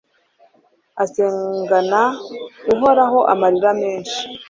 asengana uhoraho amarira menshi